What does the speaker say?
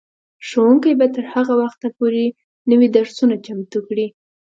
ښوونکي به تر هغه وخته پورې نوي درسونه چمتو کوي.